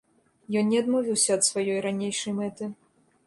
Ён не адмовіўся ад сваёй ранейшай мэты.